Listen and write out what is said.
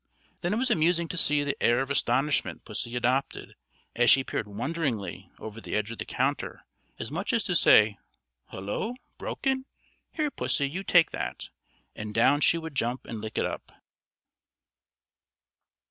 Then it was amusing to see the air of astonishment pussy adopted, as she peered wonderingly over the edge of the counter, as much as to say, "Hullo! broken? Here, pussy, you take that." And down she would jump and lick it up.